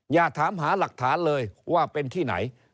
อย่าถามหาหลักฐานเลยว่าเป็นที่ไหน